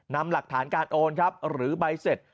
นำหลักฐานการโอนครับหรือใบเสร็จ